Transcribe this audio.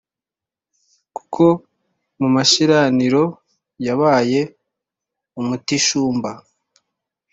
kuko mu mashiraniro yabaye umutishumba,